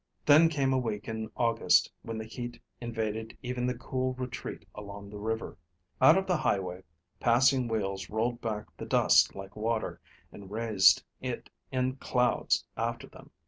Then came a week in August when the heat invaded even the cool retreat along the river. Out on the highway passing wheels rolled back the dust like water, and raised it in clouds after them.